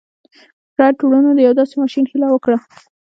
رایټ وروڼو د یوه داسې ماشين هیله وکړه